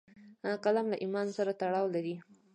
قلم له ایمان سره تړاو لري